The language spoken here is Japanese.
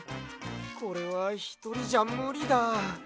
これはひとりじゃむりだ。